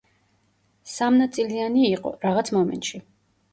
სამნაწილიანი იყო, რაღაც მომენტში.